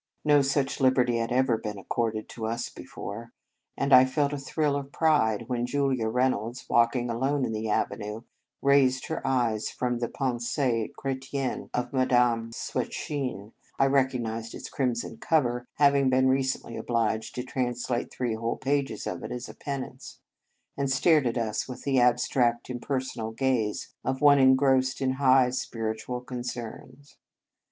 No In Our Convent Days such liberty had ever been accorded to us before, and I felt a thrill of pride when Julia Reynolds walking alone in the avenue raised her eyes from the " Pensees Chretiennes" of Ma dame Swetchine (I recognized its crimson cover, having been recently obliged to translate three whole pages of it as a penance), and stared at us with the abstract impersonal gaze of one engrossed in high spiritual con cerns.